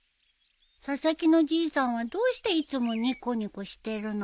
佐々木のじいさんはどうしていつもニコニコしてるの？